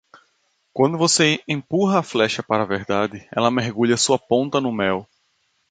Quando você empurra a flecha para a verdade, ela mergulha sua ponta no mel.